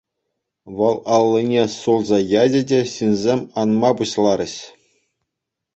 Вӑл аллине сулса ячӗ те ҫынсем анма пуҫларӗҫ.